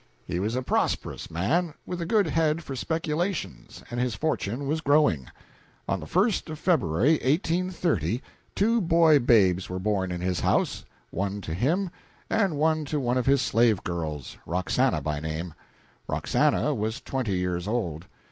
He was a prosperous man, with a good head for speculations, and his fortune was growing. On the 1st of February, 1830, two boy babes were born in his house: one to him, the other to one of his slave girls, Roxana by name. Roxana was twenty years old.